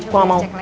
gue gak mau